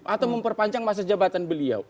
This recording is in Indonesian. atau memperpanjang masa jabatan beliau